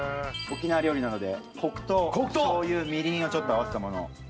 沖縄料理なので黒糖醤油みりんをちょっと合わせたものを。